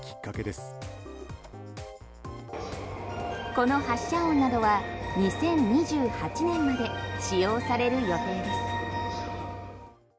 この発車音などは２０２８年まで使用される予定です。